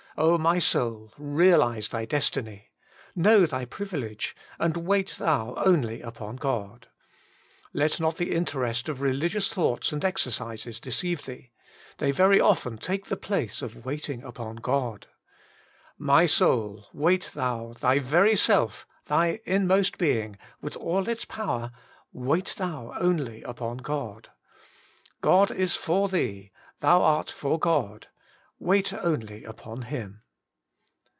0, my Boul ! realise thy destiny. Know thy privilege, and * wait thou only upon Ood.' Let not the interest of religious thoughts and exercises de ceive thee ; they very often take the place of waiting upon God. My soul, wait thou, thy very self, thy inmost being, with all its power, * wait thou only upon God.' God is for thee, thou art for God ; wait only upon Him.